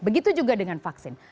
begitu juga dengan vaksin